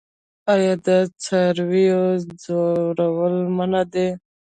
آیا د څارویو ځورول منع نه دي؟